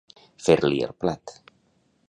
Fer-li el plat.